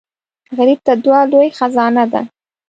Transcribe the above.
غریب ته دعا لوی خزانه ده